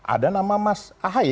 ada nama mas ahai